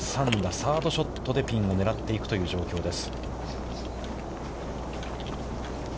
サードショットでピンを狙っていくという状況です。